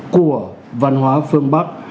của văn hóa phương bắc